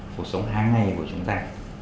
cuộc sống hàng ngày của chúng ta